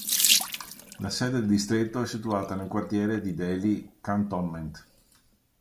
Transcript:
La sede del distretto è situata nel quartiere di Delhi Cantonment.